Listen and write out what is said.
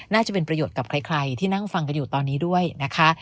น่าจะเป็นประโยชน์กับใครที่นั่งฟังกันอยู่ตอนนี้ด้วยนะคะ